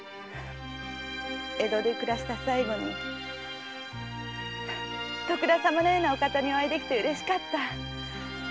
江戸で暮らした最後に徳田様のような方にお会いできて嬉しかった。